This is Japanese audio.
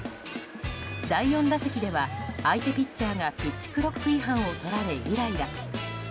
第４打席では相手ピッチャーがピッチクロック違反をとられイライラ。